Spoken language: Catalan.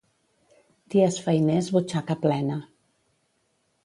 Dies feiners, butxaca plena.